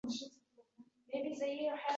Marsiyalar aytdi devorlar.